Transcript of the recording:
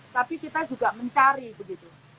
tapi kita juga mencari begitu